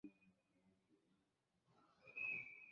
cyene eb’emikoro meke n’ebefite intege nke z’umubi